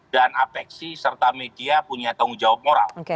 dan apeksi serta media punya tanggung jawab moral